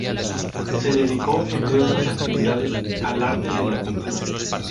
Se dedicó, entre otras actividades, al arte de la pintura.